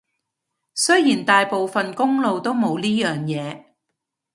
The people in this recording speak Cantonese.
雖然大部分公路都冇呢樣嘢